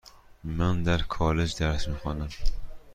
من در کالج درس میخوانم.